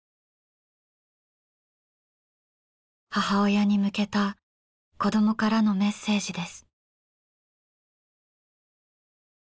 母親に向けた子どもからのメッセージです。